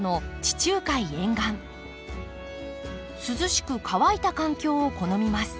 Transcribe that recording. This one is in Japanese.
涼しく乾いた環境を好みます。